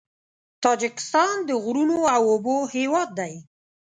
تاجکستان د غرونو او اوبو هېواد دی.